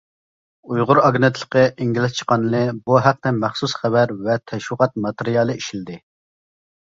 ئۇيغۇر ئاگېنتلىقى ئىنگلىزچە قانىلى بۇ ھەقتە مەخسۇس خەۋەر ۋە تەشۋىقات ماتېرىيالى ئىشلىدى.